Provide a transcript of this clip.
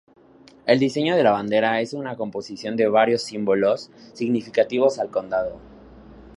El diseño de la bandera es una composición de varios símbolos significativos al condado.